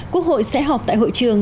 quốc hội sẽ họp tại hội trường